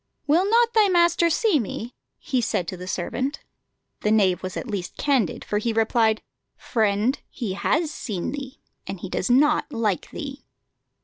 "Will not thy master see me?" he said to the servant. The knave was at least candid, for he replied: "Friend, he has seen thee, and he does not like thee."